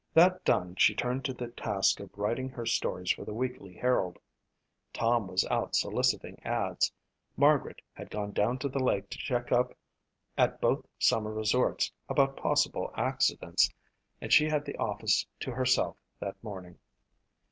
That done, she turned to the task of writing her stories for the Weekly Herald. Tom was out soliciting ads, Margaret had gone down the lake to check up at both summer resorts about possible accidents and she had the office to herself that morning.